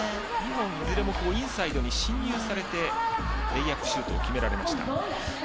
いずれもインサイドに進入されてレイアップシュートを決められました。